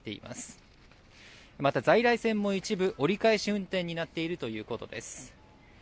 また在来線も一部、折り返し運転になっているということです。